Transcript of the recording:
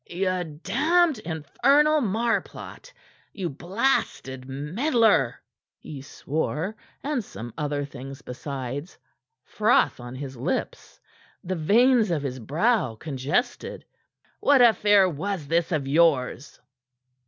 "You damned, infernal marplot! You blasted meddler!" he swore, and some other things besides, froth on his lips, the veins of his brow congested. "What affair was this of yours?"